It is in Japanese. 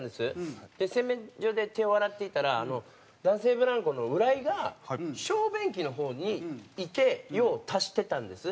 で洗面所で手を洗っていたら男性ブランコの浦井が小便器の方にいて用を足してたんです。